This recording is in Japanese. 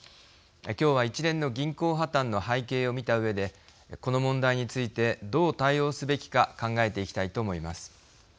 今日は一連の銀行破綻の背景を見たうえでこの問題についてどう対応すべきか考えていきたいと思います。